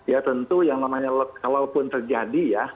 ya tentu yang namanya kalau pun terjadi ya